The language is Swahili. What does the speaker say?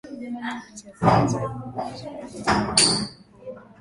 licha ya kukataa kujiuzulu lakini ameweka bayana